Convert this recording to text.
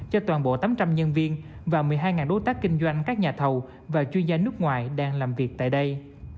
cho toàn bộ tám trăm linh nhân viên và một mươi hai đối tác kinh doanh các nhà thầu và chuyên gia nước ngoài đang làm việc tại đây